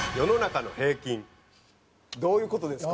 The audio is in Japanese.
どういう事ですか？